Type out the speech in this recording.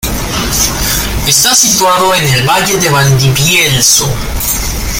Está situado en el valle de Valdivielso.